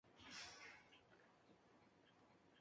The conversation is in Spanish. Con portada de Florencio Aguilera.